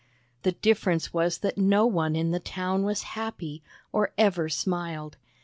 The difference was that no one in the town was happy, or ever smiled.